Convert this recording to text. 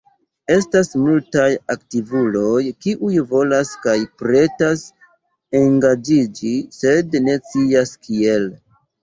Estas multaj aktivuloj kiuj volas kaj pretas engaĝiĝi sed ne scias kiel.